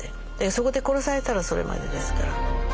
そこで殺されたらそれまでですから。